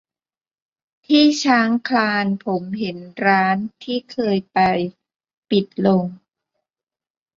ที่ช้างคลานผมเห็นร้านที่เคยไปปิดลง